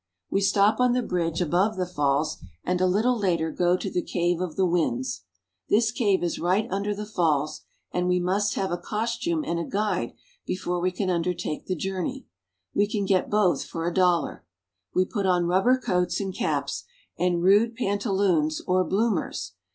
We stop on the bridge above the falls, and a little later go to the Cave of the Winds. This cave is right under the falls, and we must have a costume and a guide before we can undertake the journey. We can get both for a dollar. We put on rubber coats and caps, and rude pan taloons or bloomers.